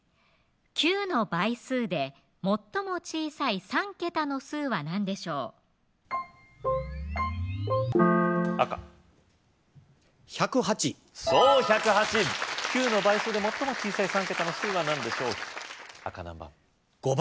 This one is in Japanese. ９の倍数で最も小さい３桁の数は何でしょう赤１０８そう１０８９の倍数で最も小さい３桁の数は何でしょう赤何番？